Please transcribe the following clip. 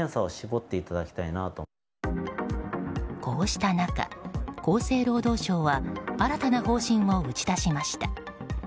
こうした中、厚生労働省は新たな方針を打ち出しました。